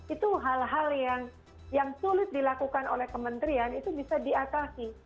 itu hal hal yang sulit dilakukan oleh kementerian itu bisa diatasi